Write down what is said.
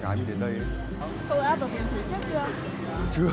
cô gái đã được hiển thủy chất chưa